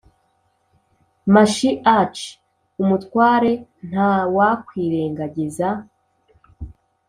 Ma shi ach Umutware Nta wakwirengagiza